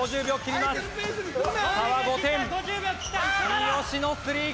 三好のスリー